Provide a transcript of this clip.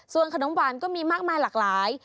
ส่วนขนมหวานก็มีมากมายหลากหลาย